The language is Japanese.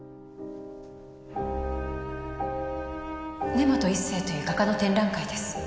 根本一成という画家の展覧会です。